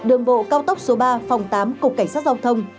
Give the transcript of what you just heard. đường bộ cao tốc số ba phòng tám cục cảnh sát giao thông